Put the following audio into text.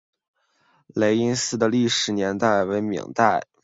雷音寺的历史年代为明代。